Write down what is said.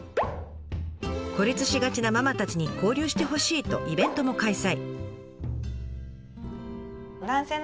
孤立しがちなママたちに交流してほしいとイベントも開催。